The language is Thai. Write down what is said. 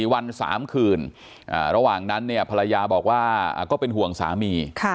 วัน๓คืนระหว่างนั้นเนี่ยภรรยาบอกว่าก็เป็นห่วงสามี